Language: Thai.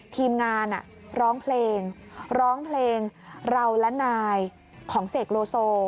ทีมงานร้องเพลงร้องเพลงเราและนายของเสกโลโซ